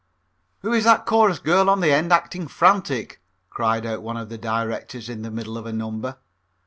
"Who is that chorus girl on the end acting frantic?" cried out one of the directors in the middle of a number.